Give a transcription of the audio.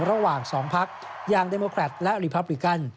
ระหว่างสองภาคอย่างเดมโมคราตและรีพรับลิกัน